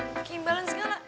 gak ada imbalan segala